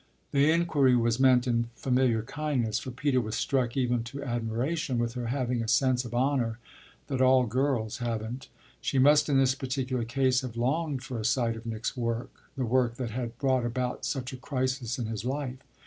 The inquiry was meant in familiar kindness, for Peter was struck even to admiration with her having a sense of honour that all girls haven't. She must in this particular case have longed for a sight of Nick's work the work that had brought about such a crisis in his life.